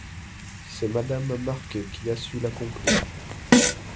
C'est Madame Marquet qui a su la conclure.